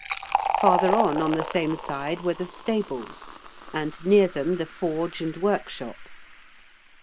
Farther on, on the same side, were the stables, and near them the forge and workshops.